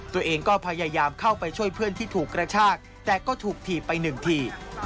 ตัวเองก็พยายามเข้าไปช่วยเพื่อนที่ถูกกระชากแต่ก็ถูกถีบไปหนึ่งที